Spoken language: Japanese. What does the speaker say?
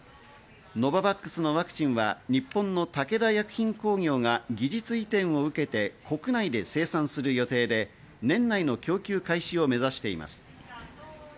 ノババックスのワクチンは日本の武田薬品工業が技術移転を受けて、国内で生産する予定で、年内の供給開始を目指しています。